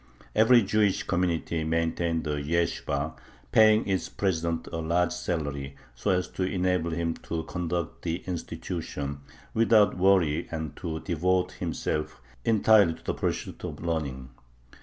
Every Jewish community maintained a yeshibah, paying its president a large salary, so as to enable him to conduct the institution without worry and to devote himself entirely to the pursuit of learning....